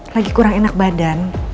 lagi kurang enak badan